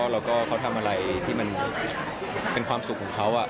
แล้วก็เขาทำอะไรที่มันเป็นความสุขของเขา